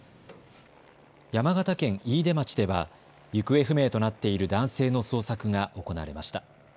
山形県飯豊町では行方不明となっている男性の捜索が行われました。